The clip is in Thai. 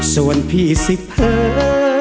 ส่วนพี่สิเผลอ